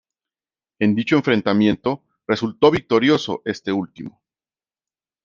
En dicho enfrentamiento resultó victorioso este último.